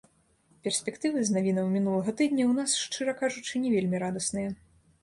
Перспектывы з навінаў мінулага тыдня ў нас, шчыра кажучы, не вельмі радасныя.